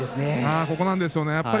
ここなんですよね。